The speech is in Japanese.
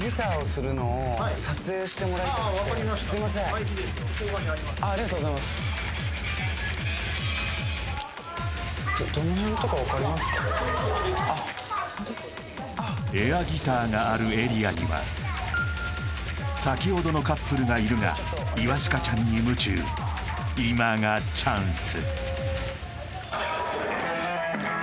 はいいいですよあっありがとうございますエアギターがあるエリアには先ほどのカップルがいるがイワシカちゃんに夢中今がチャンス